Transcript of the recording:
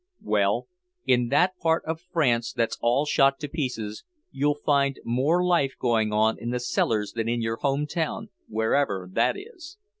"Well; in that part of France that's all shot to pieces, you'll find more life going on in the cellars than in your home town, wherever that is.